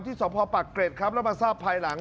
ที่สอบพอร์ปักเกร็ดครับแล้วมาทราบภายหลัง